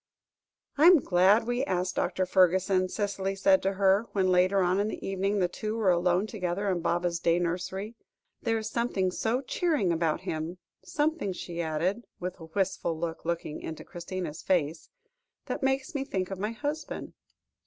"I am glad we asked Dr. Fergusson," Cicely said to her, when later on in the evening the two were alone together in Baba's day nursery; "there is something so cheering about him, something," she added, with a wistful look into Christina's face, "that makes me think of my husband."